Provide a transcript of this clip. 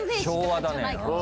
昭和だね。